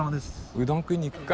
うどん食いに行くか。